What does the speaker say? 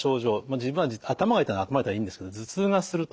自分は頭が痛いなら頭が痛いでいいんですけど頭痛がすると。